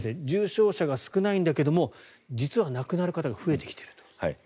重症者が少ないんだけど実は亡くなる方が増えてきていると。